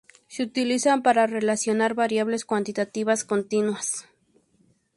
Se utilizan para relacionar variables cuantitativas continuas.